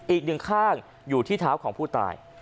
อีกหนึ่งข้างอยู่ที่เท้าของผู้ตาย